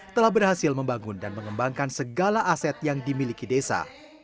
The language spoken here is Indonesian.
telah berhasil membangun dan mengembangkan segala aset yang dimiliki desa